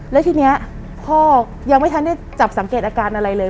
แล้วทีนี้พ่อยังไม่ทันได้จับสังเกตอาการอะไรเลย